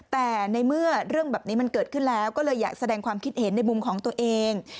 แต่ในเมื่อเรื่องแบบนี้มันเกิดขึ้นแล้วก็เลยอยากแสดงความคิดเห็นในมุมของตัวเอง